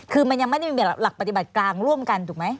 คือมันยังไม่ได้มีหลักปฏิบัติกลางร่วมกันถูกไหม